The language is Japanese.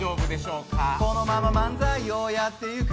このまま漫才をやっていく。